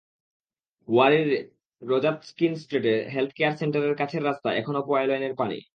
ওয়ারীর রযাত ঙ্কিন স্ট্রিটে health care সেন্টারের কাছের রাস্তায় এখনো পয়োলাইনের পানি।